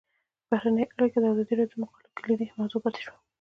بهرنۍ اړیکې د ازادي راډیو د مقالو کلیدي موضوع پاتې شوی.